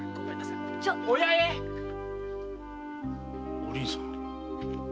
お凛さん。